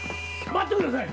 待ってください！